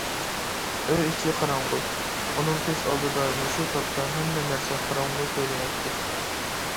ئوي ئىچى قاراڭغۇ، ئۇنىڭ كۆز ئالدىدا مۇشۇ تاپتا ھەممە نەرسە قاراڭغۇ كۆرۈنەتتى.